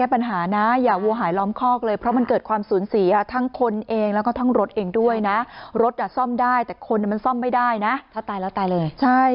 มันซ่อมไม่ได้นะถ้าตายแล้วตายเลย